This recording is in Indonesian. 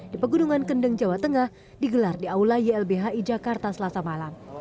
di pegunungan kendeng jawa tengah digelar di aula ylbhi jakarta selasa malam